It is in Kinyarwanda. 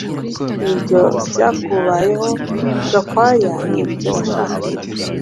Nibyo byakubayeho Gakwaya Nibyo washakaga